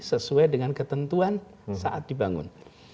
sesuai dengan ketentuan saat dibangun